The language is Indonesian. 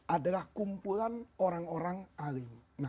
adalah kumpulan orang orang alim